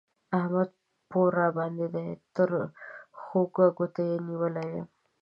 احمد پور راباندې دی؛ تر خوږ ګوته يې نيولی يم